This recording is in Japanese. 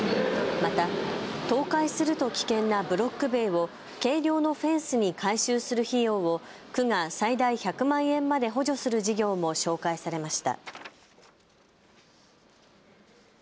また、倒壊すると危険なブロック塀を軽量のフェンスに改修する費用を区が最大１００万円まで補助する事業も紹介されました。